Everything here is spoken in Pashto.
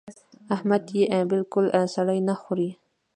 احمد يې بالکل سړه نه خوري.